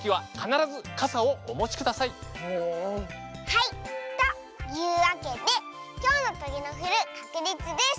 はいというわけできょうのとげのふるかくりつです。